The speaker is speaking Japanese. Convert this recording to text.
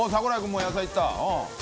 もう野菜いった！